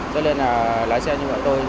cho nên là lái xe như vậy thôi